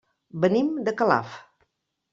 Venim de Calaf.